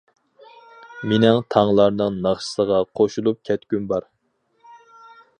مېنىڭ تاڭلارنىڭ ناخشىسىغا قوشۇلۇپ كەتكۈم بار.